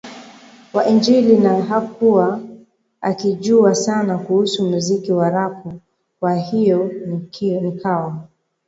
wa injili na hakuwa akijua sana kuhusu muziki wa Rapu kwa hiyo nikawa